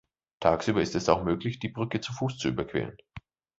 Tagsüber ist es auch möglich, die Brücke zu Fuß zu überqueren.